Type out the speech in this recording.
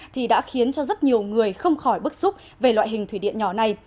thì đã khiến cho rất nhiều người không khỏi bức xúc về loại hình thủy điện nhỏ này